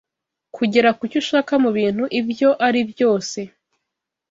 Kugera ku cyo ushaka mu bintu ibyo ari byose